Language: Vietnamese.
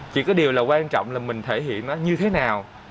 chỉ có điều là quan trọng là mình thể hiện nó như thế nào